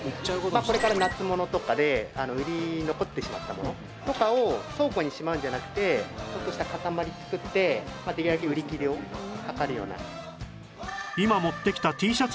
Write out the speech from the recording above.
これから夏物とかで売り残ってしまったものとかを倉庫にしまうんじゃなくてちょっとした固まり作ってできるだけ売り切れを図るような。